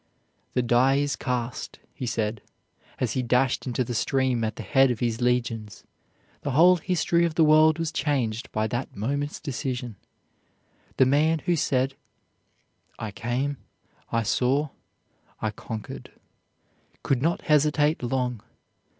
"The die is cast," he said, as he dashed into the stream at the head of his legions. The whole history of the world was changed by that moment's decision. The man who said, "I came, I saw, I conquered," could not hesitate long.